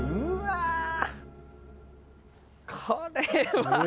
これは。